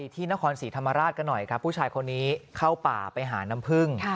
ที่นครศรีธรรมราชกันหน่อยครับผู้ชายคนนี้เข้าป่าไปหาน้ำพึ่ง